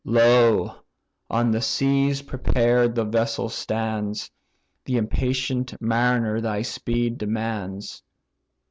"Lo! on the seas, prepared the vessel stands, The impatient mariner thy speed demands."